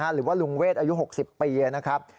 หรือว่าลุงเวทอายุ๖๐ปีนะครับ